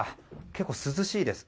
結構、涼しいです。